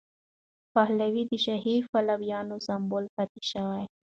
پهلوي د شاهي پلویانو سمبول پاتې شوی.